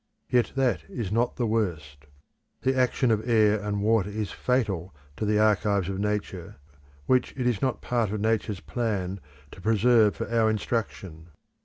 Yet that is not the worst. The action of air and water is fatal to the archives of Nature, which it is not part of Nature's plan to preserve for our instruction.